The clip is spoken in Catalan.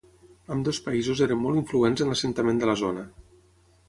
Ambdós països eren molt influents en l'assentament de la zona.